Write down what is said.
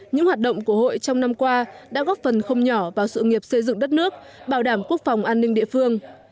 những hoạt động của hội trong năm qua đã góp phần không nhỏ vào sự nghiệp xây dựng đất nước bảo đảm quốc phòng an ninh địa phương